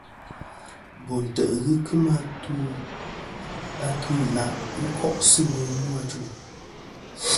Bo ntè' ghɨ kemɨ atu-ila' ghɨ ko'sɨ ŋweyn nô ajuŋ.